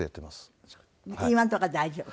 今のとこは大丈夫？